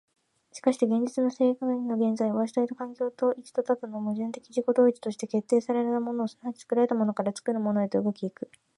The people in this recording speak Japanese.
しかして現実の世界の現在は、主体と環境と、一と多との矛盾的自己同一として、決定せられたもの即ち作られたものから、作るものへと動き行く。